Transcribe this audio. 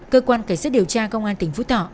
cơ quan cảnh sát điều tra công an tỉnh phú thọ